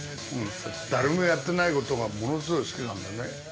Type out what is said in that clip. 誰もやってないことがものすごい好きなんだよね。